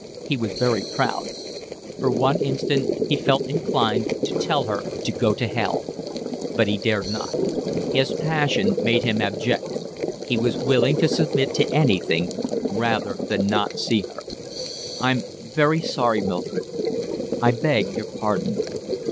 He was very proud. For one instant he felt inclined to tell her to go to hell, but he dared not. His passion made him abject. He was willing to submit to anything rather than not see her. "I'm very sorry, Mildred. I beg your pardon."